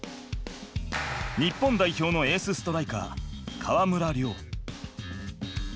日本代表のエースストライカー川村怜。